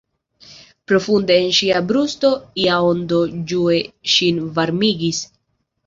Profunde en ŝia brusto ia ondo ĝue ŝin varmigis.